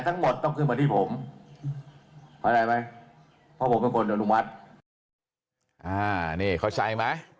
นี่เข้าใจมั้ย